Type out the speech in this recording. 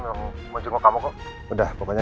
mau jumpa kamu kok udah pokoknya